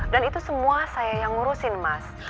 dan itu semua saya yang ngurusin mas